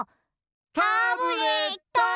タブレットン。